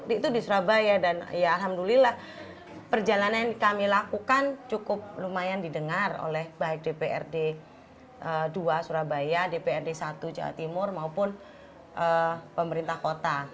itu di surabaya dan ya alhamdulillah perjalanan yang kami lakukan cukup lumayan didengar oleh baik dprd dua surabaya dprd satu jawa timur maupun pemerintah kota